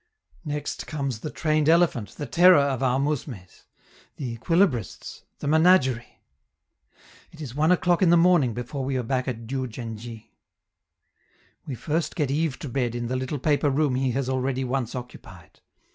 Next comes the trained elephant, the terror of our mousmes, the equilibrists, the menagerie. It is one o'clock in the morning before we are back at Diou djen dji. We first get Yves to bed in the little paper room he has already once occupied.